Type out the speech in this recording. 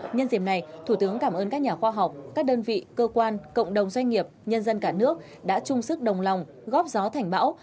nhân diệm này thủ tướng cảm ơn các nhà khoa học các đơn vị cơ quan cộng đồng doanh nghiệp nhân dân cả nước đã chung sức đồng lòng góp gió thành bão